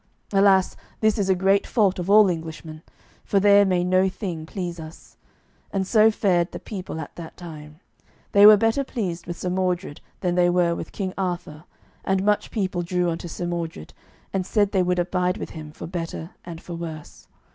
Alas, this is a great fault of all Englishmen, for there may no thing please us. And so fared the people at that time; they were better pleased with Sir Mordred than they were with King Arthur, and much people drew unto Sir Mordred, and said they would abide with him for better and for worse.